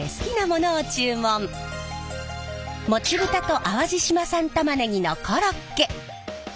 もち豚と淡路島産たまねぎのコロッケ。